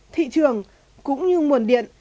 thị trường cũng như nguồn điện